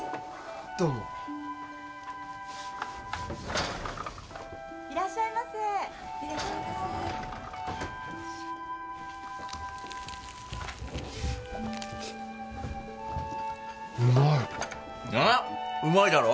どうもいらっしゃいませいらっしゃいませうまいなっうまいだろ？